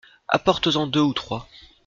Apportes-en deux ou trois.